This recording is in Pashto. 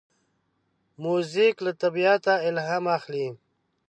موزیک له طبیعته الهام اخلي.